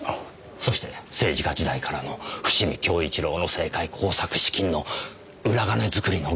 そして政治家時代からの伏見亨一良の政界工作資金の裏金作りの源泉だったとしたら。